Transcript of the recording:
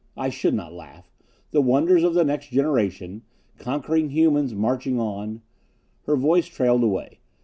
"I should not laugh. The wonders of the next generation conquering humans marching on...." Her voice trailed away.